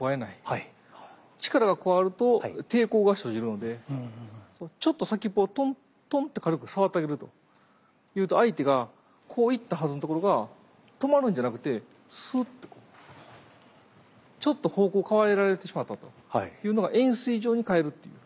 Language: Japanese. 力が加わると抵抗が生じるのでちょっと先っぽをトントンって軽く触ってあげると相手がこう行ったはずのところが止まるんじゃなくてスーッとこうちょっと方向を変えられてしまったというのが円錐状に変えるっていう。